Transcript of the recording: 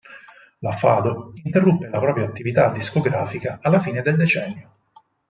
La Fado interruppe la propria attività discografica alla fine del decennio.